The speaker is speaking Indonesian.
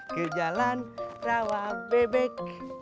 ke jalan rawa bebek